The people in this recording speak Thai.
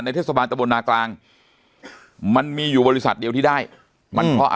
เทศบาลตะบนนากลางมันมีอยู่บริษัทเดียวที่ได้มันเพราะ